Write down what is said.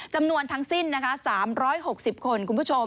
จำนวนทั้งสิ้น๓๖๐คน